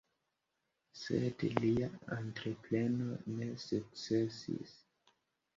Sed lia entrepreno ne sukcesis.